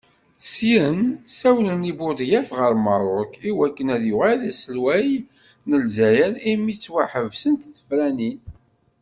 Syin, ssawlen i Budyaf ɣer Merruk i waken ad yuɣal d aselwaya n Lezzayer imi ttwaḥebsent tefranin.